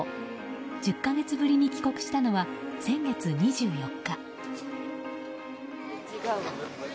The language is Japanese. １０か月ぶりに帰国したのは先月２４日。